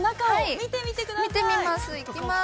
◆見てみます。